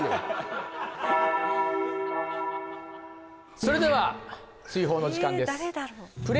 それでは追放の時間ですえー